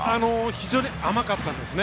非常に甘かったですね。